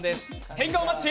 「変顔マッチ」